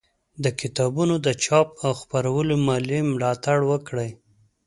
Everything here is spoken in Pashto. د کتابونو د چاپ او خپرولو مالي ملاتړ وکړئ